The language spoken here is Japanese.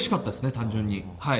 単純に。